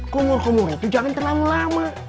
kumur kumur itu jangan terlalu lama